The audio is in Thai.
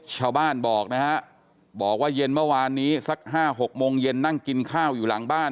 ชาวบ้านบอกนะฮะบอกว่าเย็นเมื่อวานนี้สัก๕๖โมงเย็นนั่งกินข้าวอยู่หลังบ้าน